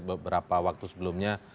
beberapa waktu sebelumnya